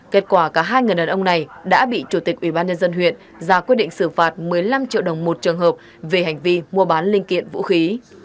kết quả cả hai người đàn ông này đã bị chủ tịch ủy ban nhân dân huyện ra quyết định xử phạt một mươi năm triệu đồng một trường hợp về hành vi mua bán linh kiện vũ khí